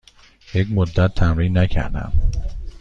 یک مدت تمرین نکردم.